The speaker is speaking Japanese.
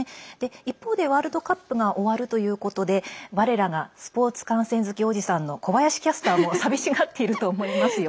一方で、ワールドカップが終わるということで我らがスポーツ観戦好きおじさんの小林キャスターも寂しがっていると思いますよ。